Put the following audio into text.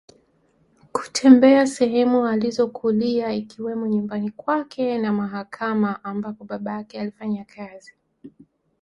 kutembea sehemu alizokulia ikiwemo nyumbani kwake na mahakama ambapo baba yake alifanya kazi